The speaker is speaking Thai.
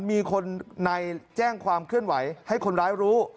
มีคนในแจ้งความเคลื่อนไหวให้คนร้ายรู้